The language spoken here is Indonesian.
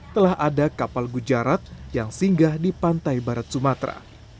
telah ada kapal gujarat yang singgah di pantai barat sumatera